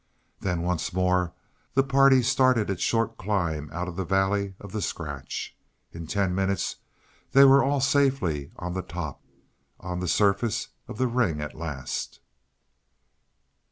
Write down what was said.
Then once more the party started its short climb out of the valley of the scratch. In ten minutes they were all safely on the top on the surface of the ring at last.